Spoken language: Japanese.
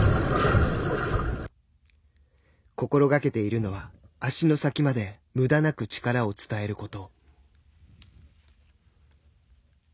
心がけているのは足の先までむだなく力を伝えること。